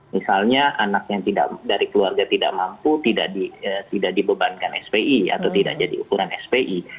misalnya anak yang dari keluarga tidak mampu tidak dibebankan spi atau tidak jadi ukuran spi